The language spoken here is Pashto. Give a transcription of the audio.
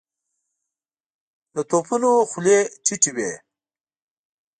د توپونو خولې ټيټې وې.